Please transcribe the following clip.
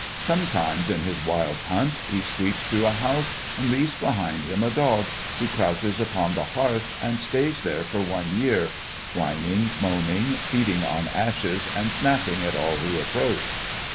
Sometimes in his wild hunt he sweeps through a house and leaves behind him a dog, who crouches upon the hearth and stays there for one year, whining, moaning, feeding on ashes, and snapping at all who approach.